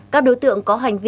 các đối tượng có hành vi